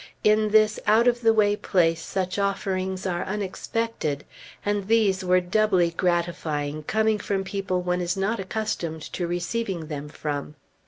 In this out of the way place such offerings are unexpected; and these were doubly gratifying coming from people one is not accustomed to receiving them from.